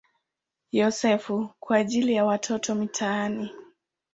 Yosefu" kwa ajili ya watoto wa mitaani.